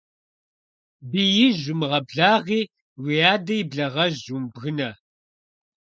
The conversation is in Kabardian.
Биижь умыгъэблагъи, уи адэ и благъэжь умыбгынэ.